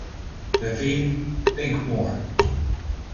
The theme, Think More.